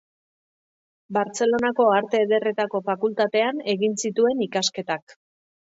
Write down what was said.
Bartzelonako Arte Ederretako Fakultatean egin zituen ikasketak.